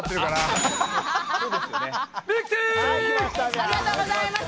ありがとうございます。